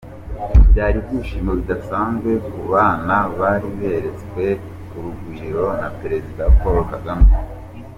Byari ibyishimo bidasanzwe ku bana bari beretswe urugwiro na Perezida Paul Kagame.